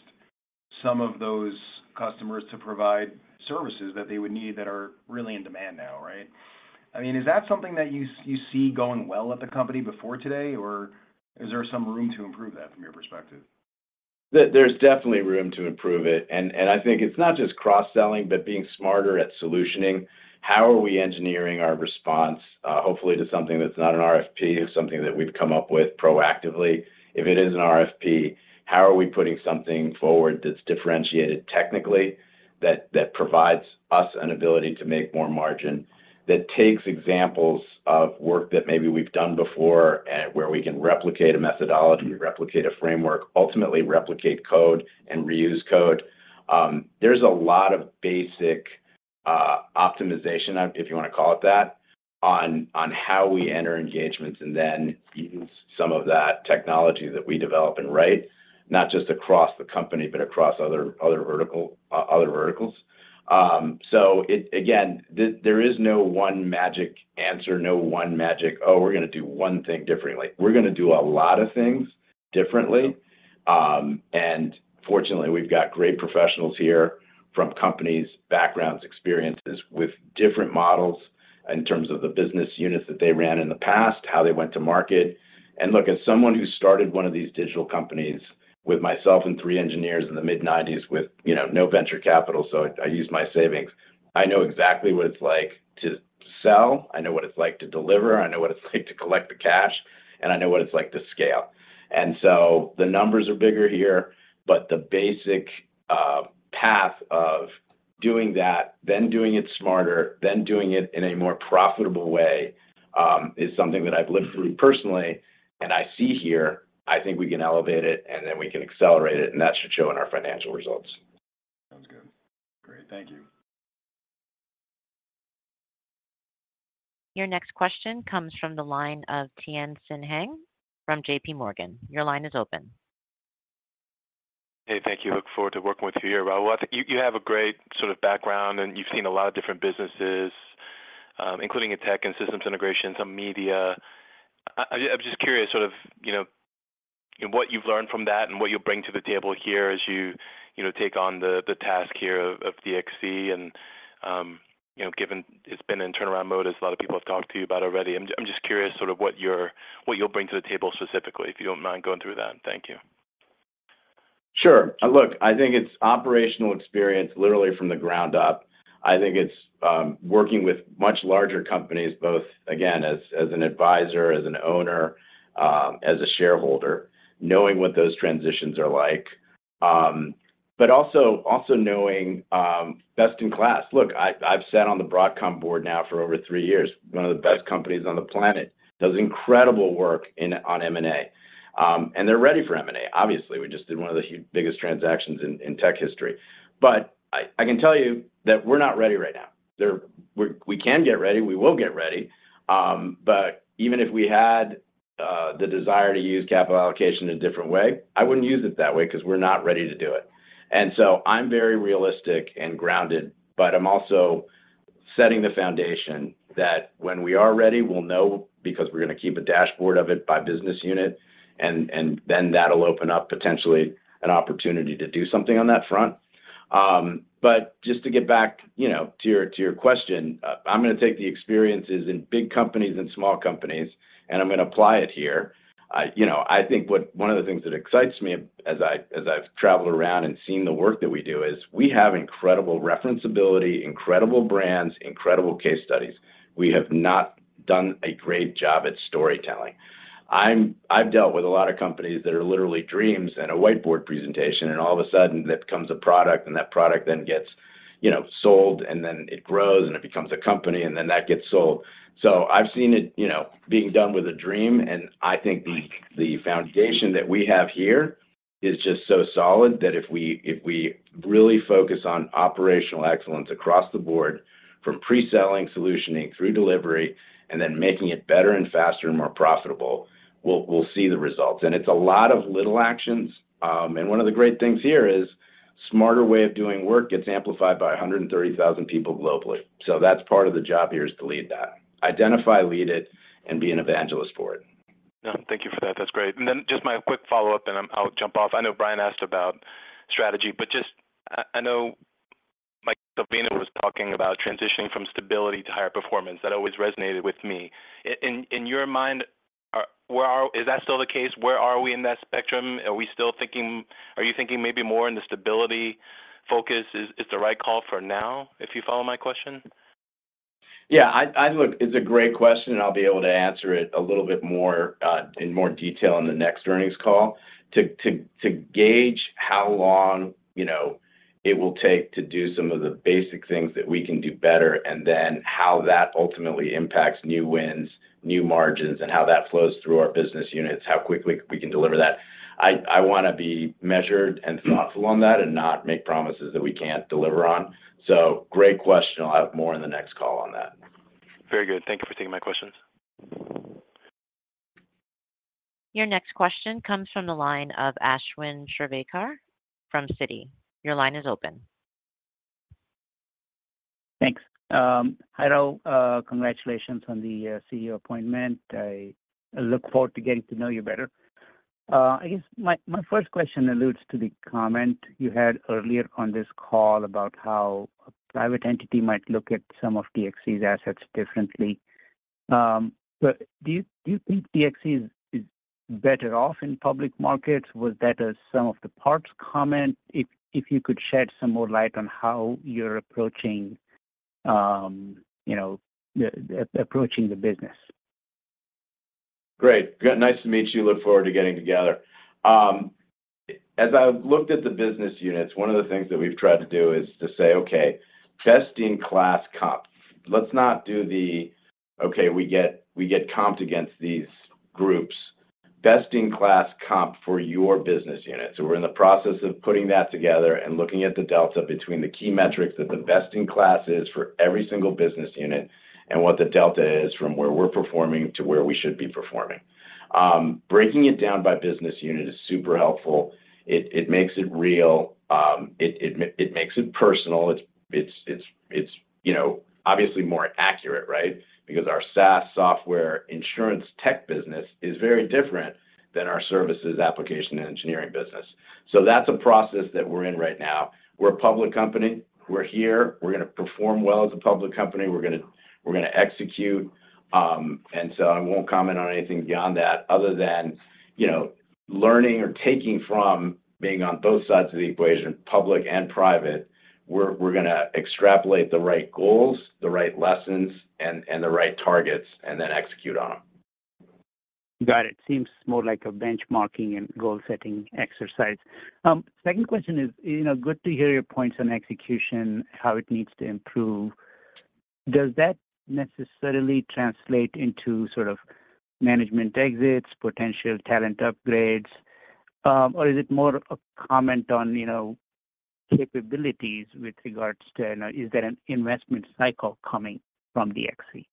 some of those customers to provide services that they would need that are really in demand now, right? I mean, is that something that you see going well at the company before today, or is there some room to improve that from your perspective? There's definitely room to improve it, and I think it's not just cross-selling, but being smarter at solutioning. How are we engineering our response, hopefully to something that's not an RFP, is something that we've come up with proactively? If it is an RFP, how are we putting something forward that's differentiated technically, that provides us an ability to make more margin, that takes examples of work that maybe we've done before, where we can replicate a methodology, replicate a framework, ultimately replicate code and reuse code? There's a lot of basic optimization, if you wanna call it that, on how we enter engagements and then use some of that technology that we develop and write, not just across the company, but across other verticals. So, again, there is no one magic answer, no one magic, "Oh, we're gonna do one thing differently." We're gonna do a lot of things differently. And fortunately, we've got great professionals here from companies, backgrounds, experiences with different models in terms of the business units that they ran in the past, how they went to market. And look, as someone who started one of these digital companies with myself and three engineers in the mid-1990s with, you know, no venture capital, so I used my savings, I know exactly what it's like to sell, I know what it's like to deliver, I know what it's like to collect the cash, and I know what it's like to scale. And so the numbers are bigger here, but the basic path of doing that, then doing it smarter, then doing it in a more profitable way, is something that I've lived through personally and I see here. I think we can elevate it, and then we can accelerate it, and that should show in our financial results. Sounds good. Great. Thank you. Your next question comes from the line of Tien-tsin Huang from JPMorgan. Your line is open. Hey, thank you. Look forward to working with you here, Raul. I think you have a great sort of background, and you've seen a lot of different businesses, including in tech and systems integration, some media. I'm just curious, sort of, you know, what you've learned from that and what you'll bring to the table here as you, you know, take on the task here of DXC and, you know, given it's been in turnaround mode, as a lot of people have talked to you about already. I'm just curious sort of what you'll bring to the table specifically, if you don't mind going through that. Thank you. Sure. Look, I think it's operational experience literally from the ground up. I think it's working with much larger companies, both, again, as, as an advisor, as an owner, as a shareholder, knowing what those transitions are like, but also, also knowing, best in class. Look, I've sat on the Broadcom board now for over three years, one of the best companies on the planet. Does incredible work in, on M&A, and they're ready for M&A. Obviously, we just did one of the biggest transactions in, in tech history. But I can tell you that we're not ready right now. There, we can get ready, we will get ready. But even if we had the desire to use capital allocation in a different way, I wouldn't use it that way 'cause we're not ready to do it. And so I'm very realistic and grounded, but I'm also setting the foundation that when we are ready, we'll know because we're gonna keep a dashboard of it by business unit, and, and then that'll open up potentially an opportunity to do something on that front. But just to get back, you know, to your, to your question, I'm gonna take the experiences in big companies and small companies, and I'm gonna apply it here. You know, I think one of the things that excites me as I, as I've traveled around and seen the work that we do is, we have incredible reference ability, incredible brands, incredible case studies. We have not done a great job at storytelling. I've dealt with a lot of companies that are literally dreams and a whiteboard presentation, and all of a sudden that becomes a product, and that product then gets, you know, sold, and then it grows, and it becomes a company, and then that gets sold. So I've seen it, you know, being done with a dream, and I think the, the foundation that we have here is just so solid that if we, if we really focus on operational excellence across the board, from pre-selling, solutioning, through delivery, and then making it better and faster and more profitable, we'll, we'll see the results. And it's a lot of little actions, and one of the great things here is smarter way of doing work gets amplified by 130,000 people globally. So that's part of the job here, is to lead that. Identify, lead it, and be an evangelist for it. No, thank you for that. That's great. And then just my quick follow-up, and I'll jump off. I know Brian asked about strategy, but just, I know Mike Salvino was talking about transitioning from stability to higher performance. That always resonated with me. In your mind, where are... Is that still the case? Where are we in that spectrum? Are you thinking maybe more in the stability focus is the right call for now, if you follow my question? Yeah, Look, it's a great question, and I'll be able to answer it a little bit more in more detail on the next earnings call. To gauge how long, you know, it will take to do some of the basic things that we can do better, and then how that ultimately impacts new wins, new margins, and how that flows through our business units, how quickly we can deliver that. I wanna be measured and thoughtful on that and not make promises that we can't deliver on. So great question, I'll have more in the next call on that. Very good. Thank you for taking my questions. Your next question comes from the line of Ashwin Shirvaikar from Citi. Your line is open. Thanks. Hi, all. Congratulations on the CEO appointment. I look forward to getting to know you better. I guess my first question alludes to the comment you had earlier on this call about how a private entity might look at some of DXC's assets differently. But do you think DXC is better off in public markets? Was that sum of the parts comment? If you could shed some more light on how you're approaching you know approaching the business. Great. Good. Nice to meet you. Look forward to getting together. As I've looked at the business units, one of the things that we've tried to do is to say, okay, best-in-class comp. Let's not do the, okay, we get comped against these groups. Best-in-class comp for your business unit. So we're in the process of putting that together and looking at the delta between the key metrics that the best-in-class is for every single business unit, and what the delta is from where we're performing to where we should be performing. Breaking it down by business unit is super helpful. It makes it real. It makes it personal. It's you know, obviously more accurate, right? Because our SaaS software insurance tech business is very different than our services application and engineering business. That's a process that we're in right now. We're a public company, we're here, we're gonna perform well as a public company. We're gonna, we're gonna execute, and so I won't comment on anything beyond that other than, you know, learning or taking from being on both sides of the equation, public and private. We're, we're gonna extrapolate the right goals, the right lessons, and, and the right targets, and then execute on them. Got it. Seems more like a benchmarking and goal-setting exercise. Second question is, you know, good to hear your points on execution, how it needs to improve. Does that necessarily translate into sort of management exits, potential talent upgrades, or is it more a comment on, you know, capabilities with regards to, you know, is there an investment cycle coming from DXC?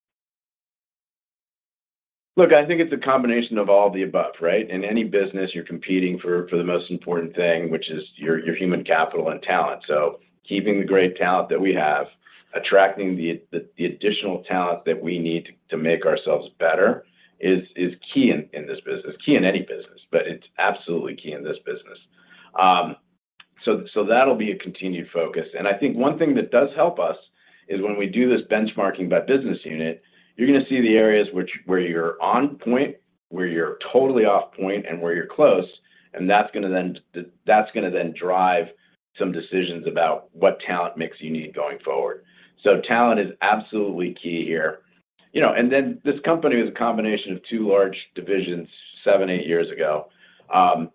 Look, I think it's a combination of all the above, right? In any business, you're competing for the most important thing, which is your human capital and talent. So keeping the great talent that we have, attracting the additional talent that we need to make ourselves better is key in this business. Key in any business, but it's absolutely key in this business. So that'll be a continued focus. And I think one thing that does help us is when we do this benchmarking by business unit, you're gonna see the areas where you're on point, where you're totally off point, and where you're close, and that's gonna then drive some decisions about what talent mix you need going forward. So talent is absolutely key here. You know, and then this company was a combination of two large divisions seven, eight years ago. You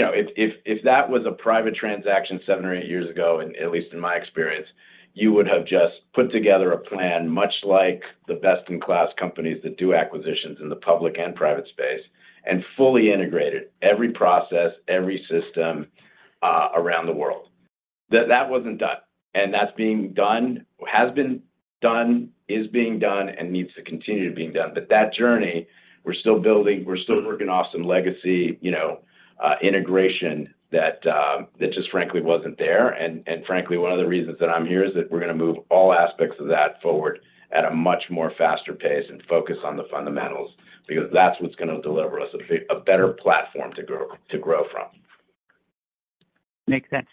know, if that was a private transaction seven or eight years ago, and at least in my experience, you would have just put together a plan, much like the best-in-class companies that do acquisitions in the public and private space… and fully integrated every process, every system, around the world. That wasn't done, and that's being done, has been done, is being done, and needs to continue to being done. But that journey, we're still building, we're still working off some legacy, you know, integration that just frankly, wasn't there. Frankly, one of the reasons that I'm here is that we're gonna move all aspects of that forward at a much more faster pace and focus on the fundamentals, because that's what's gonna deliver us a better platform to grow from. Makes sense.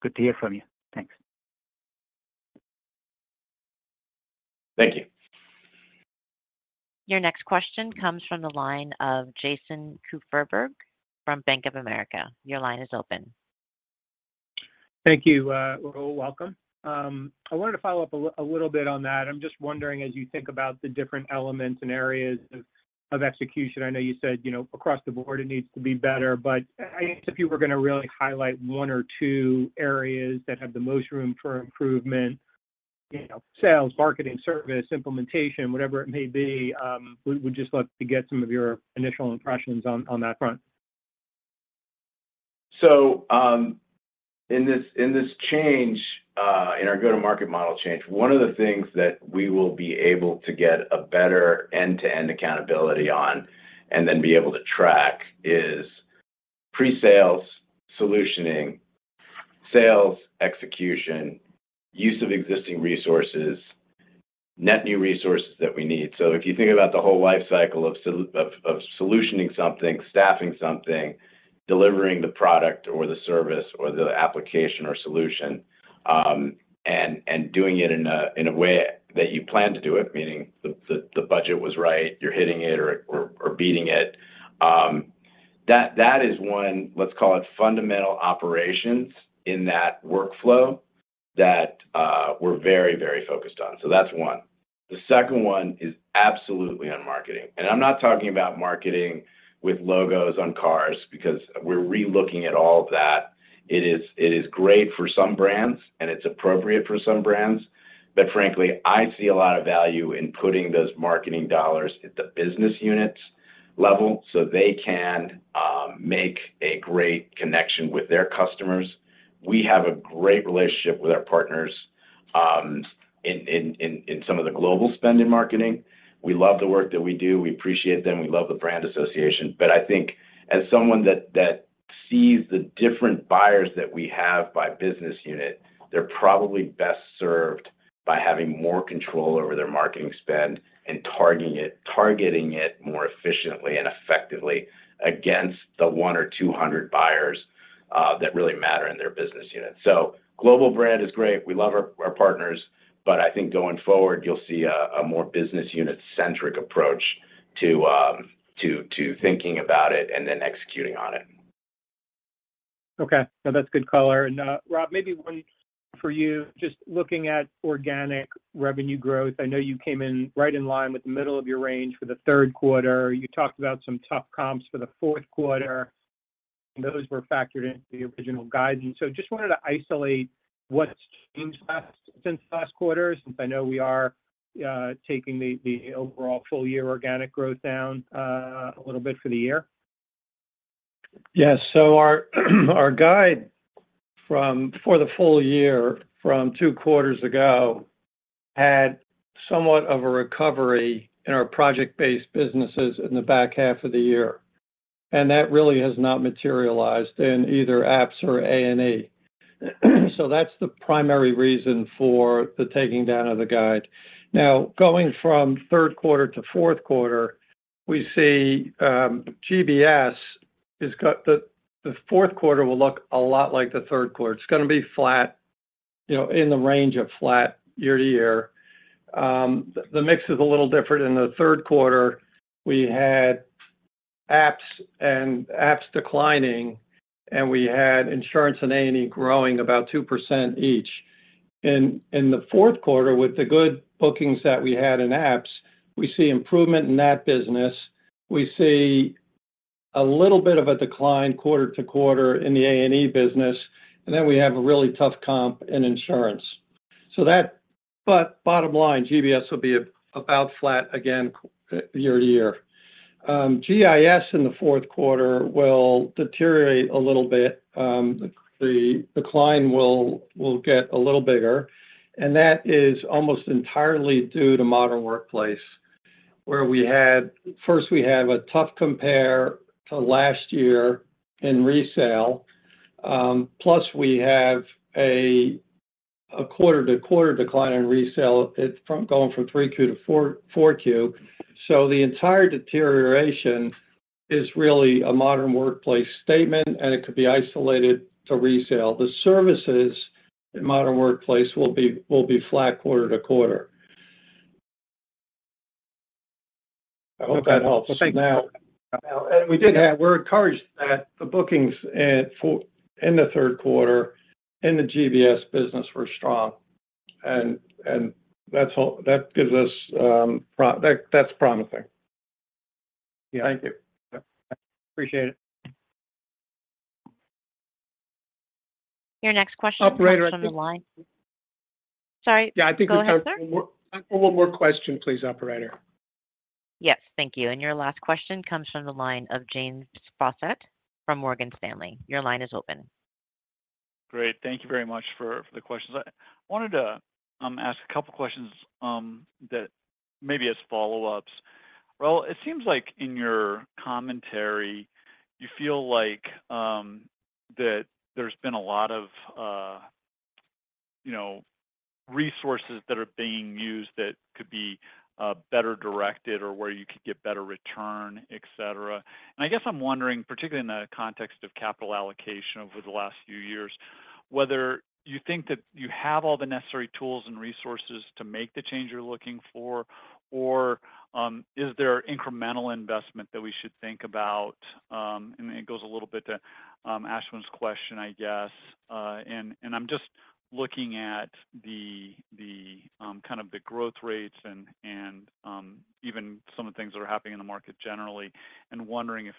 Good to hear from you. Thanks. Thank you. Your next question comes from the line of Jason Kupferberg from Bank of America. Your line is open. Thank you. Well, welcome. I wanted to follow up a little bit on that. I'm just wondering, as you think about the different elements and areas of execution, I know you said, you know, across the board it needs to be better. But if you were gonna really highlight one or two areas that have the most room for improvement, you know, sales, marketing, service, implementation, whatever it may be, we would just love to get some of your initial impressions on that front. So, in this change in our go-to-market model change, one of the things that we will be able to get a better end-to-end accountability on and then be able to track is pre-sales, solutioning, sales, execution, use of existing resources, net new resources that we need. So if you think about the whole life cycle of solutioning something, staffing something, delivering the product or the service or the application or solution, and doing it in a way that you plan to do it, meaning the budget was right, you're hitting it or beating it. That is one, let's call it fundamental operations in that workflow that we're very, very focused on. So that's one. The second one is absolutely on marketing, and I'm not talking about marketing with logos on cars, because we're relooking at all of that. It is great for some brands, and it's appropriate for some brands, but frankly, I see a lot of value in putting those marketing dollars at the business units level so they can make a great connection with their customers. We have a great relationship with our partners in some of the global spend in marketing. We love the work that we do. We appreciate them. We love the brand association. But I think as someone that sees the different buyers that we have by business unit, they're probably best served by having more control over their marketing spend and targeting it more efficiently and effectively against the 100 or 200 buyers that really matter in their business unit. So global brand is great. We love our partners, but I think going forward, you'll see a more business unit-centric approach to thinking about it and then executing on it. Okay, no, that's good color. And, Rob, maybe one for you. Just looking at organic revenue growth, I know you came in right in line with the middle of your range for the third quarter. You talked about some tough comps for the fourth quarter. Those were factored into the original guidance. So just wanted to isolate what's changed last, since last quarter, since I know we are taking the overall full-year organic growth down, a little bit for the year. Yes. So our guide from two quarters ago for the full-year had somewhat of a recovery in our project-based businesses in the back half of the year, and that really has not materialized in either apps or A&E. So that's the primary reason for the taking down of the guide. Now, going from third quarter to fourth quarter, we see GBS has got the fourth quarter will look a lot like the third quarter. It's gonna be flat, you know, in the range of flat year-to-year. The mix is a little different. In the third quarter, we had apps declining, and we had insurance and A&E growing about 2% each. In the fourth quarter, with the good bookings that we had in apps, we see improvement in that business. We see a little bit of a decline quarter to quarter in the A&E business, and then we have a really tough comp in insurance. But bottom line, GBS will be about flat again, year to year. GIS in the fourth quarter will deteriorate a little bit. The decline will get a little bigger, and that is almost entirely due to Modern Workplace, where we had—first, we have a tough compare to last year in resale, plus we have a quarter-to-quarter decline in resale. It's from going from Q3 to Q4. So the entire deterioration is really a Modern Workplace statement, and it could be isolated to resale. The services in Modern Workplace will be flat quarter to quarter. I hope that helps. Thank you. Now, we're encouraged that the bookings in the third quarter in the GBS business were strong, and that's all. That gives us that that's promising. Yeah, thank you. Appreciate it.... Your next question is on the line. Sorry, go ahead, sir. Yeah, I think we have one more, one more question, please, operator. Yes, thank you. Your last question comes from the line of James Faucette from Morgan Stanley. Your line is open. Great. Thank you very much for the questions. I wanted to ask a couple questions that maybe as follow-ups. Well, it seems like in your commentary, you feel like that there's been a lot of you know, resources that are being used that could be better directed or where you could get better return, et cetera. And I guess I'm wondering, particularly in the context of capital allocation over the last few years, whether you think that you have all the necessary tools and resources to make the change you're looking for, or is there incremental investment that we should think about? And it goes a little bit to Ashwin's question, I guess. And I'm just looking at the growth rates and even some of the things that are happening in the market generally, and wondering if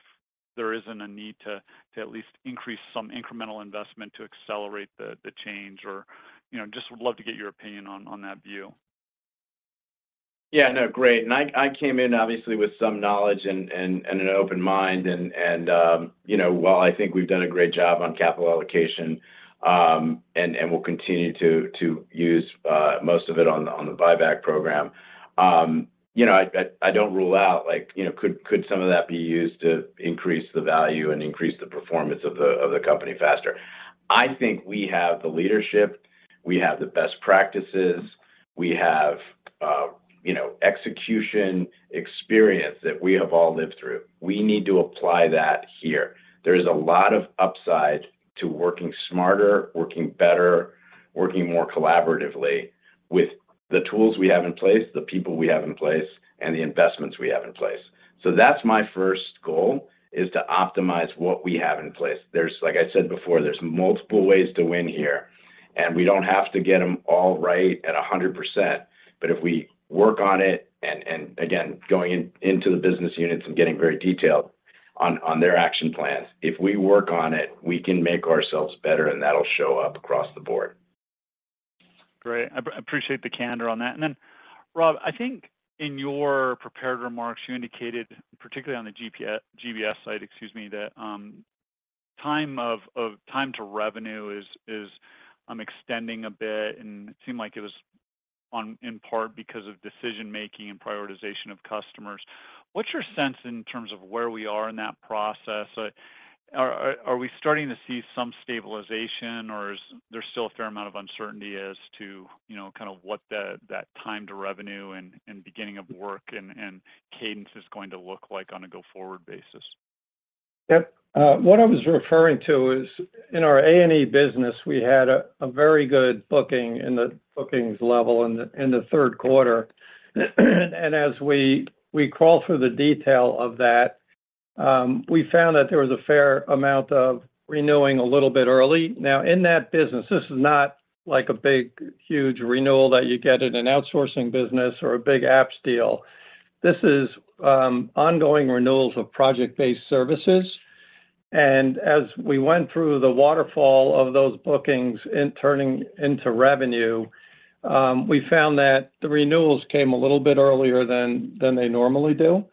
there isn't a need to at least increase some incremental investment to accelerate the change or, you know, just would love to get your opinion on that view. Yeah, no, great. And I came in obviously with some knowledge and an open mind, and you know, while I think we've done a great job on capital allocation, and we'll continue to use most of it on the buyback program, you know, I don't rule out, like, you know, could some of that be used to increase the value and increase the performance of the company faster? I think we have the leadership, we have the best practices, we have you know, execution experience that we have all lived through. We need to apply that here. There is a lot of upside to working smarter, working better, working more collaboratively with the tools we have in place, the people we have in place, and the investments we have in place. So that's my first goal, is to optimize what we have in place. There's, like I said before, there's multiple ways to win here, and we don't have to get them all right at 100%. But if we work on it, and again, going into the business units and getting very detailed on their action plans, if we work on it, we can make ourselves better, and that'll show up across the board. Great. I appreciate the candor on that. And then, Rob, I think in your prepared remarks, you indicated, particularly on the GBS side, excuse me, that time to revenue is extending a bit, and it seemed like it was in part because of decision making and prioritization of customers. What's your sense in terms of where we are in that process? Are we starting to see some stabilization, or is there still a fair amount of uncertainty as to, you know, kind of what that time to revenue and beginning of work and cadence is going to look like on a go-forward basis? Yep. What I was referring to is in our A&E business, we had a very good booking in the bookings level in the third quarter. And as we crawl through the detail of that, we found that there was a fair amount of renewing a little bit early. Now, in that business, this is not like a big, huge renewal that you get in an outsourcing business or a big apps deal. This is ongoing renewals of project-based services, and as we went through the waterfall of those bookings and turning into revenue, we found that the renewals came a little bit earlier than they normally do.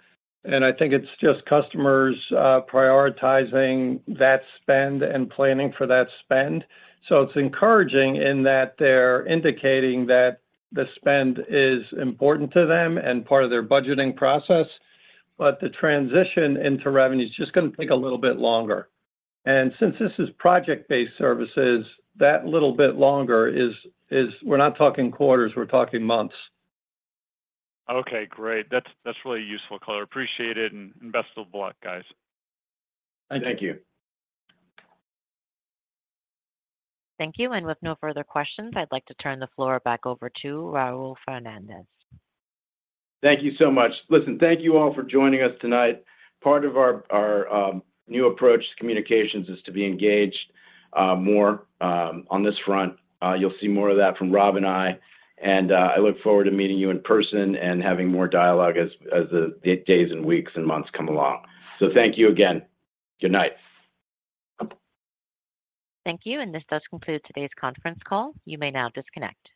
And I think it's just customers prioritizing that spend and planning for that spend. So it's encouraging in that they're indicating that the spend is important to them and part of their budgeting process, but the transition into revenue is just gonna take a little bit longer. And since this is project-based services, that little bit longer is, we're not talking quarters, we're talking months. Okay, great. That's, that's really useful, color. Appreciate it, and best of luck, guys. Thank you. Thank you, and with no further questions, I'd like to turn the floor back over to Raul Fernandez. Thank you so much. Listen, thank you all for joining us tonight. Part of our new approach to communications is to be engaged more on this front. You'll see more of that from Rob and I, and I look forward to meeting you in person and having more dialogue as the days and weeks and months come along. So thank you again. Good night. Thank you, and this does conclude today's conference call. You may now disconnect.